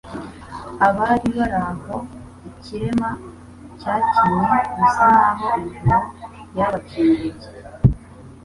Abari bari aho ikirema cyakinye, bisa naho ijuru ryabakingukiye